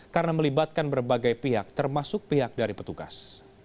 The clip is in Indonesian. karena melibatkan berbagai pihak termasuk pihak dari petugas